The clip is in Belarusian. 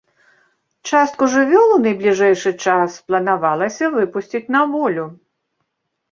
Частку жывёл у найбліжэйшы час планавалася выпусціць на волю.